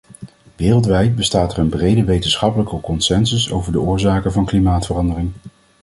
Wereldwijd bestaat er een brede wetenschappelijke consensus over de oorzaken van klimaatverandering.